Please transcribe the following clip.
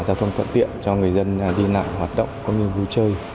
giao thông tận tiện cho người dân đi lại hoạt động có nhiều vui chơi